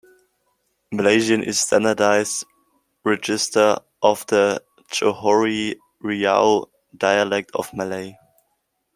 Malaysian is a standardised register of the Johore-Riau dialect of Malay.